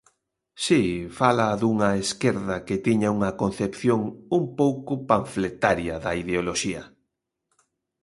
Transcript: Si, fala dunha esquerda que tiña unha concepción un pouco panfletaria da ideoloxía.